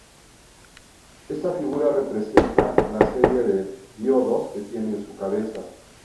Esta figura representa la serie de diodos que tiene en su cabeza.